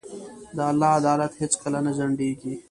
د الله عدالت هیڅکله نه ځنډېږي.